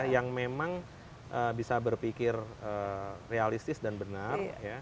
yang memang bisa berpikir realistis dan benar